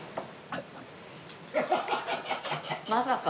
まさか。